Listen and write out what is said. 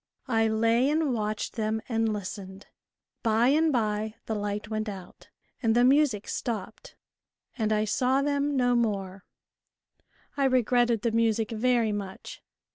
I lay and watched them and listened. By and bye the light went out and the music stopped, and I saw The Story of the Pig trough. 53 them no more. I regretted the music very much.